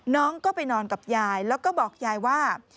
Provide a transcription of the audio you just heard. น้องก็ไปนอนกับยายแล้วก็บอกยายว่า